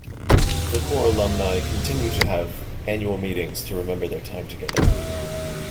The corps alumni continue to have annual meetings to remember their time together.